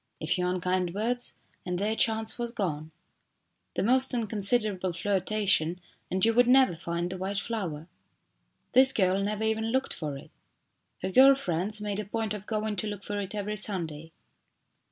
A few unkind words and their chance was gone. The most in considerable flirtation and you would never find the white flower. This girl never even looked for it. Her girl friends made a point of going to look for it every Sunday.